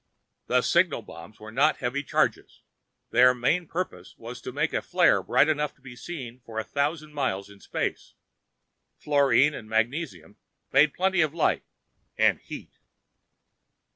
The signal bombs were not heavy charges; their main purposes was to make a flare bright enough to be seen for thousands of miles in space. Fluorine and magnesium made plenty of light—and heat.